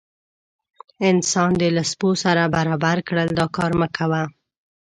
انسان دې له سپو سره برابر کړل دا کار مه کوه.